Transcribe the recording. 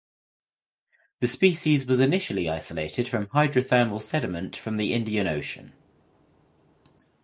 The species was initially isolated from hydrothermal sediment from the Indian Ocean.